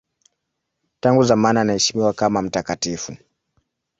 Tangu zamani anaheshimiwa kama mtakatifu.